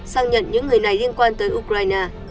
xăng nhận những người này liên quan tới ukraine